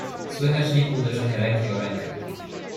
"Słychać niby uderzenie ręki o rękę."